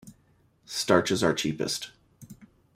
Starches are cheapest.